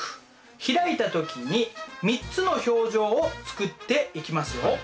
開いた時に３つの表情を作っていきますよ。